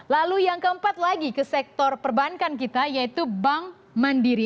lalu yang keempat lagi ke sektor perbankan kita yaitu bank mandiri